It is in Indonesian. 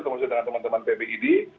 kemudian dengan teman teman pbid